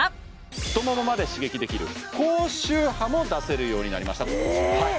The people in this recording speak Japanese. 太ももまで刺激できる高周波も出せるようになりましたえっ！？